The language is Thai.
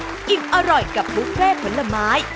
อิ่มอร่อยกับบุฟเฟ่ผลไม้